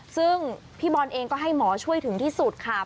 ซึ่งพี่บอลเองก็ให้หมอช่วยถึงที่สุดค่ะ